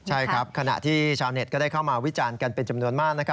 ใช่ครับขณะที่ชาวเน็ตก็ได้เข้ามาวิจารณ์กันเป็นจำนวนมาก